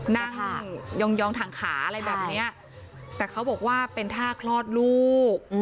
นั่งยองถังขาอะไรแบบนี้แต่เขาบอกว่าเป็นท่าคลอดลูก